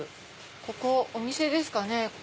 ここお店ですかね。